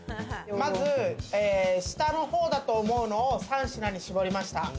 まず下のほうだと思うものを３品に絞りました。